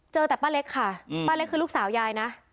เจอแต่ป้าเล็กค่ะป้าเล็กคือลูกสาวยายนะ